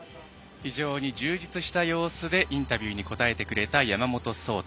非常に充実した様子でインタビューに答えてくれた山本草太。